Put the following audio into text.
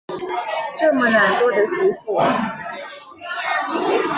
这么懒惰的媳妇